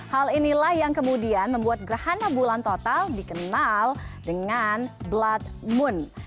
hal inilah yang kemudian membuat gerhana bulan total dikenal dengan blood moon